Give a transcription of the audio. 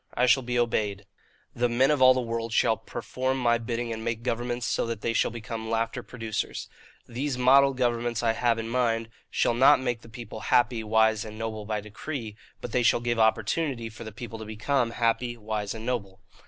I shall be obeyed. The men of all the world shall perform my bidding and make governments so that they shall become laughter producers. These modelled governments I have in mind shall not make the people happy, wise, and noble by decree; but they shall give opportunity for the people to become happy, wise, and noble.